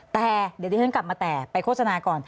แต่เดี๋ยวที่ฉันกลับมาแต่ไปโฆษณาก่อน